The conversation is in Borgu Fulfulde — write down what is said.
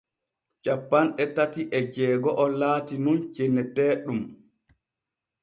Cappanɗe tati e jeego’o laati nun cenneteeɗum.